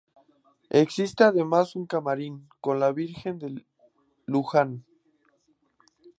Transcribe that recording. Existe además un camarín con la virgen del Luján.